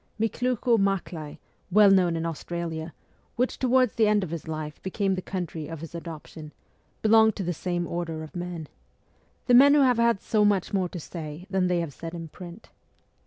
Miklukho Maklay, well known in Australia, which towards the end of his life became the country of his adoption, belonged to the same order of men the men who have had so much more to say than they have said in print.